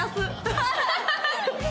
ハハハハ！